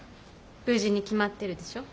無事に決まってるでしょう。